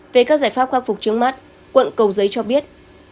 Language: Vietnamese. về các giải pháp khắc phục trước mắt quận cầu giấy cho biết